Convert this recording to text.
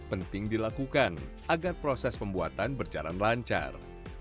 penting dilakukan agar proses pembuatan berjalan lancar